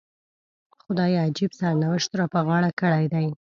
خدای عجیب سرنوشت را په غاړه کړی دی.